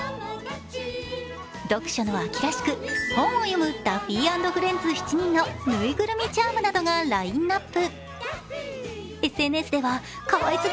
読書の秋らしく、本を読むダッフィー＆フレンズ７人の縫いぐるみチャームなどがラインナップ。